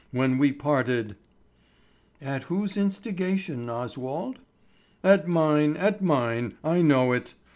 When we parted——" "At whose instigation, Oswald?" "At mine, at mine, I know it.